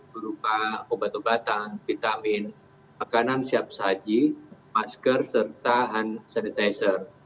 berupa obat obatan vitamin makanan siap saji masker serta hand sanitizer